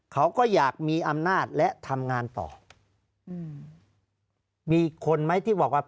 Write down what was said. เขาก็อยากมีอำนาจและทำงานต่ออืมมีคนไหมที่บอกว่า